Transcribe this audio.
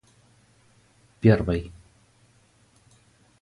первой